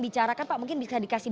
bicarakan pak mungkin bisa dikasih